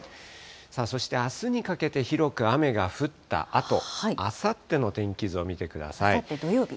そしてあすにかけて広く雨が降ったあと、あさっての天気図を見てあさって土曜日。